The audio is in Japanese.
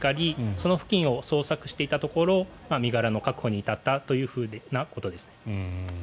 その付近を捜索していたところ身柄の確保に至ったということです。